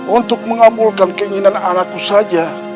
untuk mengabulkan keinginan anakku saja